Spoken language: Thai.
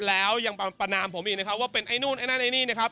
แล้วยังประนามผมอีกนะครับว่าเป็นไอ้นู่นไอ้นั่นไอ้นี่นะครับ